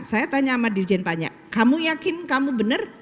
saya tanya sama dirjen pajak kamu yakin kamu benar